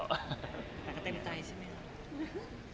แต่ก็เต็มใจใช่มั้ย